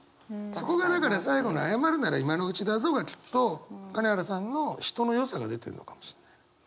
そこがだから最後の「謝るなら今のうちだぞ」がきっと金原さんの人のよさが出てるのかもしんない。